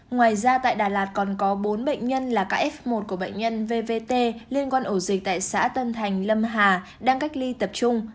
ngoài ra tại đà lạt còn có bốn bệnh nhân là các f một của bệnh nhân vvt liên quan ổ dịch tại xã tân thành lâm hà đang cách ly tập trung